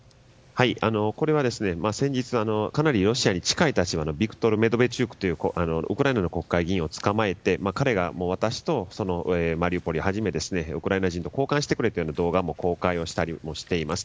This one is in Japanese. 先日、かなりロシアの近い立場のビクトル・メドベチュクがウクライナの国会議員をつかまえて彼が私とマリウポリをはじめウクライナ人と交換してくれという動画を公開したりもしています。